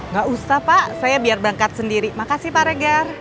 gak usah pak saya biar berangkat sendiri makasih pak regar